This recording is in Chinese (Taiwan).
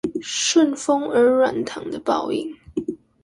順風耳軟糖的報應